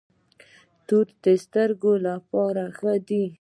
توتان د سترګو لپاره ښه دي.